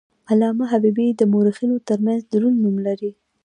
علامه حبیبي د مورخینو ترمنځ دروند نوم لري.